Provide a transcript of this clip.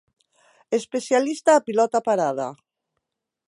Especialista a pilota parada.